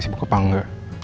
sibuk ke pangga